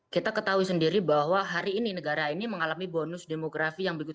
kita ketahui sendiri bahwa hari ini negara ini mengalami bonus demografi yang begitu